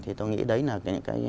thì cháu nghĩ đấy là những cái